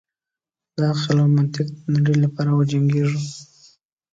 د عقل او منطق د نړۍ لپاره وجنګیږو.